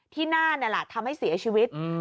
ที่หน้าเนี่ยล่ะทำให้เสียชีวิตอืม